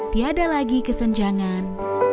tiada lagi kesenjangan